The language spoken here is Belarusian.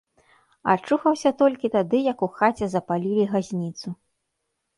Ачухаўся толькі тады, як у хаце запалілі газніцу.